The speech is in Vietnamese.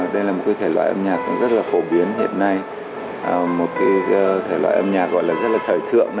đây là một thể loại âm nhạc rất là phổ biến hiện nay một thể loại âm nhạc gọi là rất là thời thượng